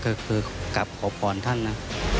คือกลับขอพรท่านนะ